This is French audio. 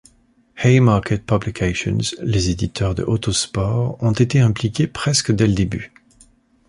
Haymarket Publications, les éditeurs de Autosport ont été impliqués presque dès le début.